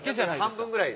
半分ぐらい。